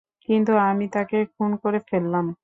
কিন্তু আমি তাকে খুন করে ফেললাম।